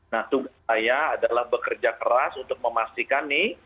nah tugas saya adalah bekerja keras untuk memastikan nih